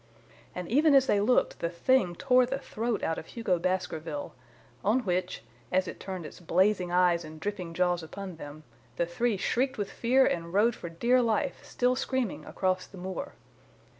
And even as they looked the thing tore the throat out of Hugo Baskerville, on which, as it turned its blazing eyes and dripping jaws upon them, the three shrieked with fear and rode for dear life, still screaming, across the moor.